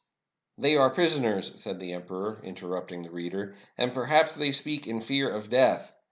" They are prisoners," said the emperor, interrupting the reader; "and perhaps they speak in fear of death.